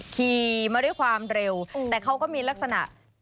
ขี่มาด้วยความเร็วแต่เขาก็มีลักษณะ